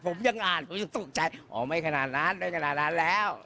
ผมยังอ่านผมยังตกใจอ๋อไม่ขนาดนั้นได้ขนาดนั้นแล้ว